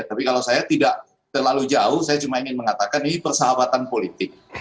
tapi kalau saya tidak terlalu jauh saya cuma ingin mengatakan ini persahabatan politik